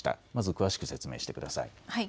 まず詳しく説明してください。